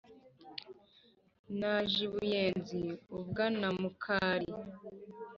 naje u buyenzi u bwanamukari